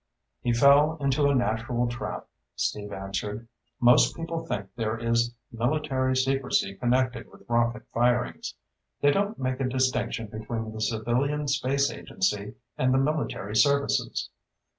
"He fell into a natural trap," Steve answered. "Most people think there is military secrecy connected with rocket firings. They don't make a distinction between the civilian space agency and the military services.